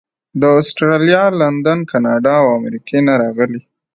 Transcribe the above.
د اسټرالیا، لندن، کاناډا او امریکې نه راغلي.